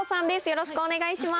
よろしくお願いします。